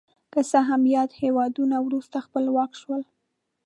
که څه هم یاد هېوادونه وروسته خپلواک شول.